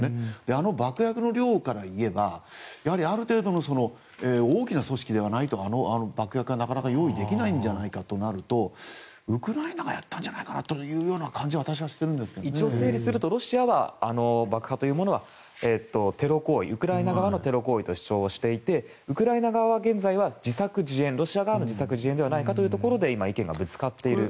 あの爆薬の量からいえばある程度の大きな組織でないとあの爆薬はなかなか用意できないとなるとウクライナがやったんじゃないかなという感じが整理するとロシアは、爆破というものはウクライナ側のテロ行為と主張していてウクライナ側は現在はロシア側の自作自演ではないかと今、意見がぶつかっている。